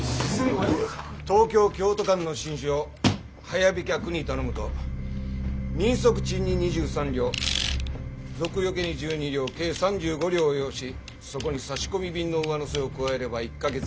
東京京都間の信書を早飛脚に頼むと人足賃に２３両賊よけに１２両計３５両を要しそこに差込便の上乗せを加えれば１か月で１千２００両余り。